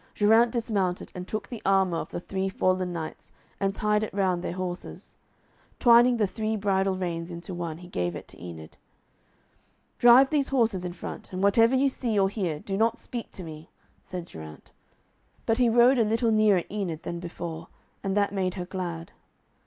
Geraint dismounted, and took the armour of the three fallen knights, and tied it round their horses. Twining the three bridle reins into one, he gave it to Enid. 'Drive these horses in front, and whatever you see or hear, do not speak to me,' said Geraint. But he rode a little nearer Enid than before, and that made her glad.